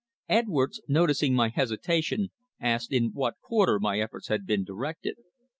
Edwards, noticing my hesitation, asked in what quarter my efforts had been directed.